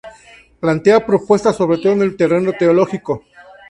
Plantea propuestas sobre todo en el terreno teológico.